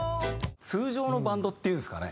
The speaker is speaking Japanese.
通常のバンドっていうんですかね